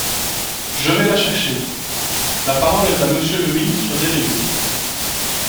Je vais la chercher ! La parole est à Monsieur le ministre délégué.